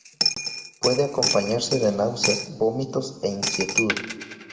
Puede acompañarse de náuseas, vómitos e inquietud.